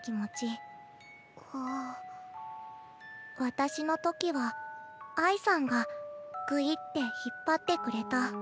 私の時は愛さんがぐいって引っ張ってくれた。